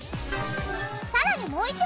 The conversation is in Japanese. さらにもう一問。